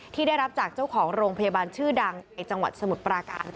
ที่ได้รับจากเจ้าของโรงพยาบาลชื่อดังในจังหวัดสมุทรปราการ